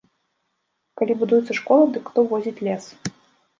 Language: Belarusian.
Калі будуецца школа, дык хто возіць лес?